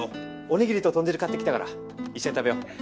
おにぎりと豚汁買ってきたから一緒に食べよう。